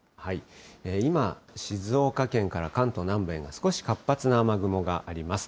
今、静岡県から関東南部沿岸、少し活発な雨雲があります。